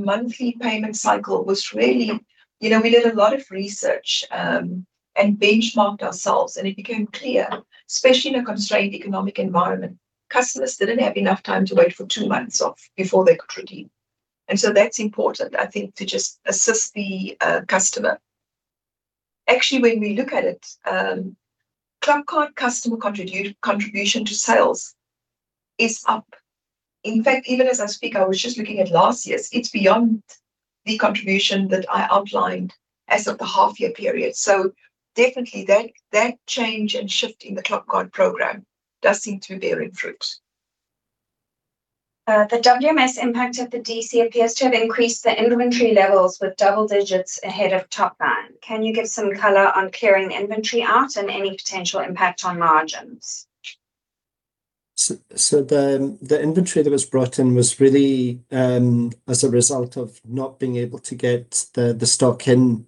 monthly payment cycle was really. We did a lot of research, and benchmarked ourselves, and it became clear, especially in a constrained economic environment, customers didn't have enough time to wait for two months off before they could redeem. That's important, I think, to just assist the customer. Actually, when we look at it, ClubCard customer contribution to sales is up. In fact, even as I speak, I was just looking at last year's. It's beyond the contribution that I outlined as of the half-year period. Definitely that change and shift in the ClubCard program does seem to be bearing fruit. The WMS impact at the DC appears to have increased the inventory levels with double digits ahead of top line. Can you give some color on clearing the inventory out and any potential impact on margins? The inventory that was brought in was really as a result of not being able to get the stock in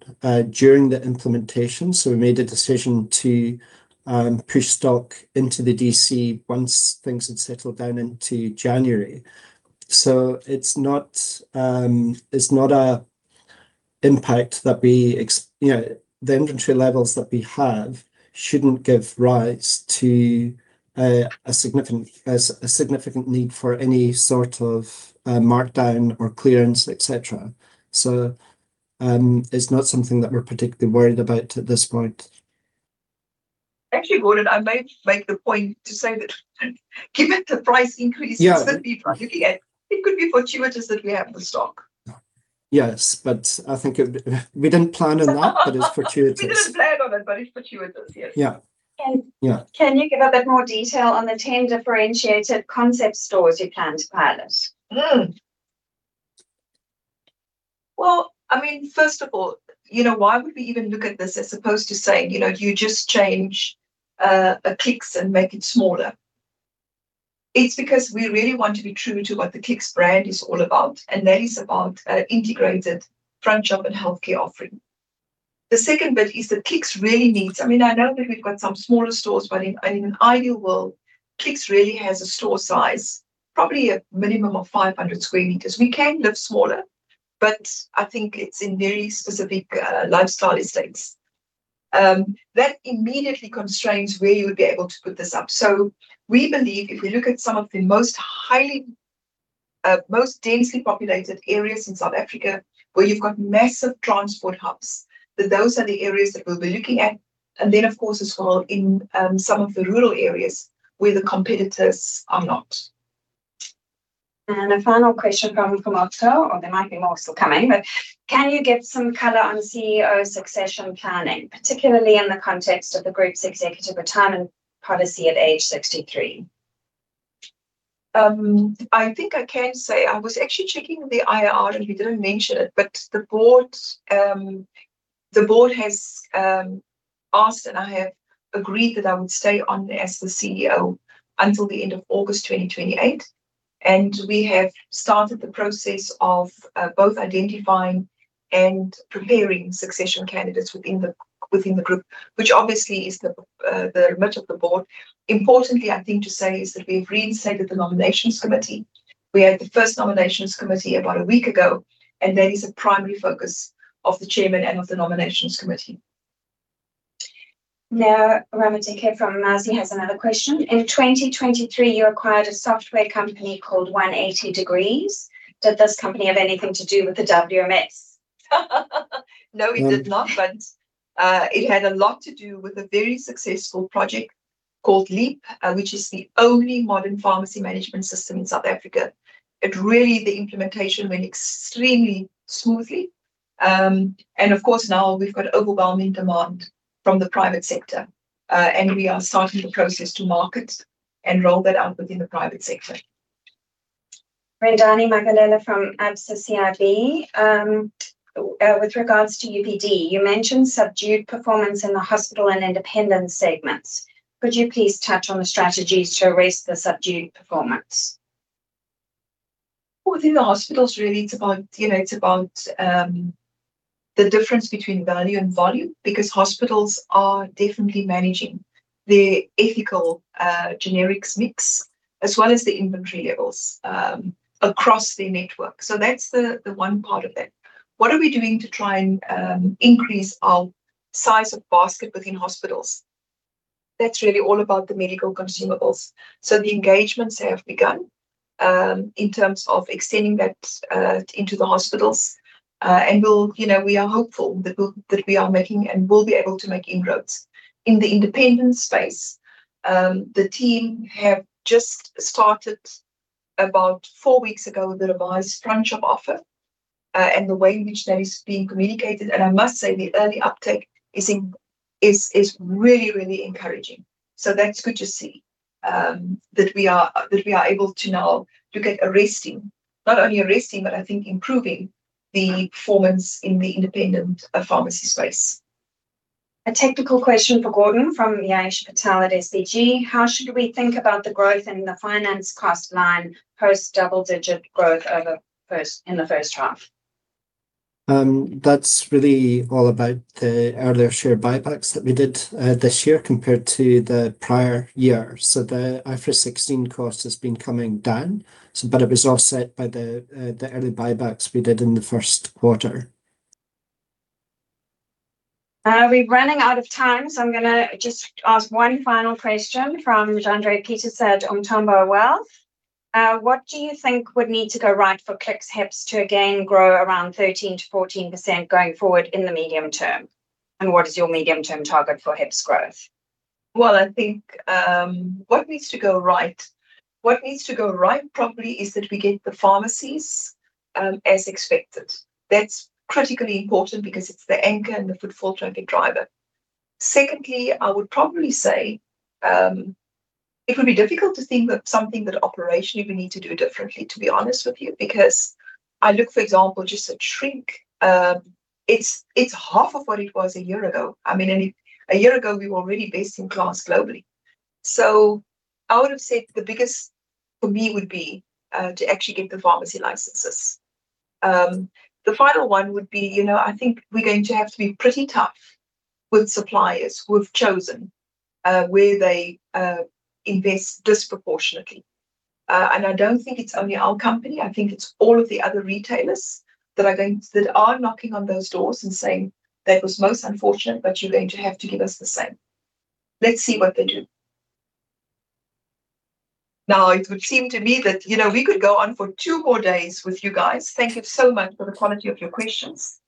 during the implementation. We made a decision to push stock into the DC once things had settled down into January. It's not an impact. The inventory levels that we have shouldn't give rise to a significant need for any sort of markdown or clearance, et cetera. It's not something that we're particularly worried about at this point. Actually, Gordon, I might make the point to say that given the price increases that we've been looking at, it could be fortuitous that we have the stock. Yes, but I think we didn't plan on that, but it's fortuitous. We didn't plan on it, but it's fortuitous, yes. Yeah. Can you give a bit more detail on the 10 differentiated concept stores you plan to pilot? Well, first of all, why would we even look at this as opposed to saying, you just change a Clicks and make it smaller? It's because we really want to be true to what the Clicks brand is all about, and that is about integrated front shop and healthcare offering. The second bit is that Clicks really needs. I know that we've got some smaller stores, but in an ideal world, Clicks really has a store size, probably a minimum of 500 sq m. We can live smaller, but I think it's in very specific lifestyle estates. That immediately constrains where you would be able to put this up. We believe if we look at some of the most densely populated areas in South Africa, where you've got massive transport hubs, that those are the areas that we'll be looking at. Of course, as well in some of the rural areas where the competitors are not. A final question from Kgomotso, or there might be more still coming, but can you give some color on CEO succession planning, particularly in the context of the group's executive retirement policy at age 63? I think I can say, I was actually checking the IR, and we didn't mention it, but the board has asked, and I have agreed that I would stay on as the CEO until the end of August 2028. We have started the process of both identifying and preparing succession candidates within the group, which obviously is the remit of the board. Importantly, I think to say is that we've reinstated the Nominations Committee. We had the first Nominations Committee about a week ago, and that is a primary focus of the chairman and of the Nominations Committee. Now, Neo Ramodike from Mazi Asset Management has another question. In 2023, you acquired a software company called 180 Degrees. Did this company have anything to do with the WMS? No, it did not, but it had a lot to do with a very successful project called Leap, which is the only modern pharmacy management system in South Africa. Really, the implementation went extremely smoothly. Of course, now we've got overwhelming demand from the private sector. We are starting the process to market and roll that out within the private sector. Rendani Madzivhandila from Absa CIB. With regards to UPD, you mentioned subdued performance in the hospital and independent segments. Could you please touch on the strategies to raise the subdued performance? Within the hospitals really it's about the difference between value and volume because hospitals are definitely managing their ethical generics mix as well as the inventory levels across their network. That's the one part of that. What are we doing to try and increase our size of basket within hospitals? That's really all about the medical consumables. The engagements have begun in terms of extending that into the hospitals. We are hopeful that we are making and will be able to make inroads. In the independent space, the team have just started about four weeks ago with a revised franchise offer, and the way in which that is being communicated, and I must say the early uptake is really encouraging. That's good to see that we are able to now look at not only arresting but I think improving the performance in the independent pharmacy space. A technical question for Gordon from Ya'Eesh Patel at SBG. How should we think about the growth in the finance cost line post double-digit growth in the first half? That's really all about the earlier share buybacks that we did this year compared to the prior year. The IFRS 16 cost has been coming down. It was offset by the early buybacks we did in the first quarter. We're running out of time, so I'm going to just ask one final question from Jandré Pieterse at Umthombo Wealth. What do you think would need to go right for Clicks HEPS to again grow around 13%-14% going forward in the medium term? And what is your medium-term target for HEPS growth? Well, I think what needs to go right, probably is that we get the pharmacies as expected. That's critically important because it's the anchor and the footfall traffic driver. Secondly, I would probably say, it would be difficult to think of something that operationally we need to do differently, to be honest with you. Because I look, for example, just at shrink. It's half of what it was a year ago. A year ago, we were already best in class globally. So I would have said the biggest for me would be to actually get the pharmacy licenses. The final one would be, I think we're going to have to be pretty tough with suppliers who've chosen where they invest disproportionately. I don't think it's only our company. I think it's all of the other retailers that are knocking on those doors and saying, "That was most unfortunate, but you're going to have to give us the same." Let's see what they do. Now it would seem to me that we could go on for two more days with you guys. Thank you so much for the quality of your questions.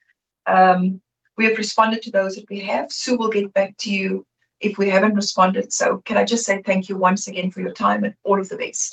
We have responded to those that we have. Sue will get back to you if we haven't responded. Can I just say thank you once again for your time and all of the best.